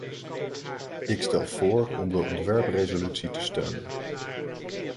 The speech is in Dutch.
Ik stel voor om de ontwerpresolutie te steunen.